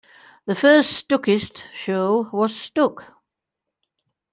The first Stuckist show was Stuck!